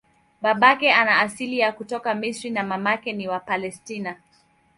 Babake ana asili ya kutoka Misri na mamake ni wa Palestina.